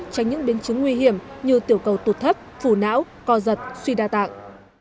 tránh những biến chứng nguy hiểm như tiểu cầu tụt thấp phù não co giật suy đa tạng